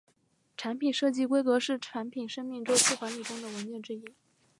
产品设计规格是产品生命周期管理中的文件之一。